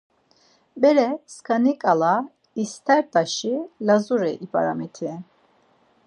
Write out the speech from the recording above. Bere skaniǩala istert̆aşi Lazuri ip̌aramiti.